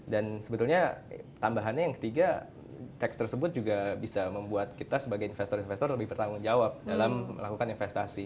dan sebetulnya tambahannya yang ketiga tax tersebut juga bisa membuat kita sebagai investor investor lebih bertanggung jawab dalam melakukan investasi